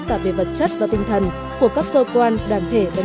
cả về vật chất và tinh thần của các cơ quan đàn ông